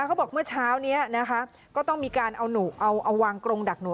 เมื่อเช้านี้นะคะก็ต้องมีการเอาหนูเอาวางกรงดักหนู